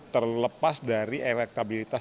terlepas dari elektabilitas